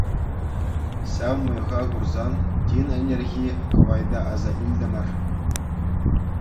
Ҫав мӑйӑха курсан тин ӗнерхи кӑвайта аса илтӗмӗр.